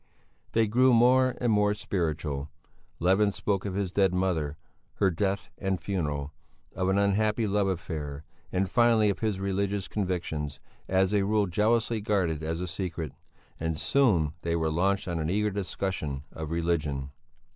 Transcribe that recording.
They grew more and more spiritual. Levin spoke of his dead mother, her death and funeral, of an unhappy love affair, and finally of his religious convictions, as a rule jealously guarded as a secret. And soon they were launched on an eager discussion of religion.